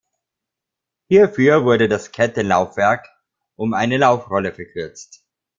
Hierfür wurde das Kettenlaufwerk um eine Laufrolle verkürzt.